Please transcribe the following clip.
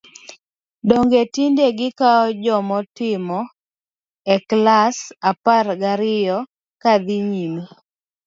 Donge tinde gikawo joma otimo klas apar gariyo ka dhi nyime!